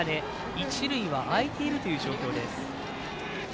一塁は空いているという状況です。